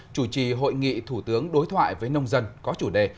chủ trì hội nghị thủ tướng đối thoại với nông dân có chủ đề